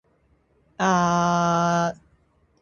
がちうぜぇ